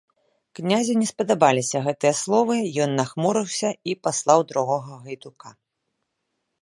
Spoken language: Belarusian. Князю не спадабаліся гэтыя словы, ён нахмурыўся і паслаў другога гайдука.